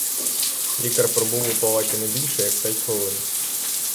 Лікар пробув у палаті не більше, як хвилин п'ять.